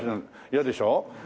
嫌でしょ？